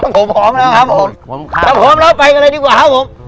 ครับผมเราไปกันเลยดีกว่าครับผม